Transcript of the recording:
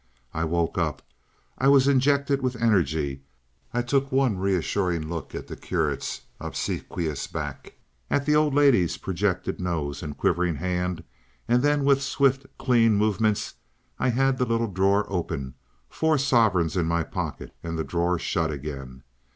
I woke up. I was injected with energy. I took one reassuring look at the curate's obsequious back, at the old lady's projected nose and quivering hand, and then with swift, clean movements I had the little drawer open, four sovereigns in my pocket, and the drawer shut again.